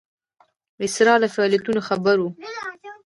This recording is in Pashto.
ویسرا له فعالیتونو خبر وو.